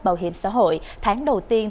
bảo hiểm xã hội tháng đầu tiên